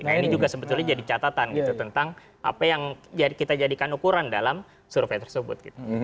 nah ini juga sebetulnya jadi catatan gitu tentang apa yang kita jadikan ukuran dalam survei tersebut